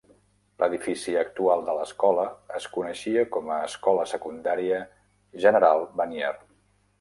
L'edifici actual de l'escola es coneixia com a escola secundària General Vanier.